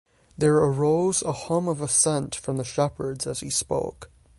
There arose a hum of assent from the shepherds as he spoke.